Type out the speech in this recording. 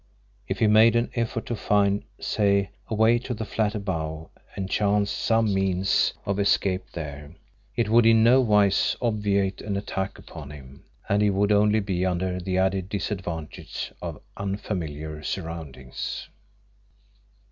If he made an effort to find, say, a way to the flat above and chanced some means of escape there, it would in no wise obviate an attack upon him, and he would only be under the added disadvantage of unfamiliar surroundings.